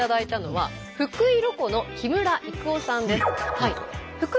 はい。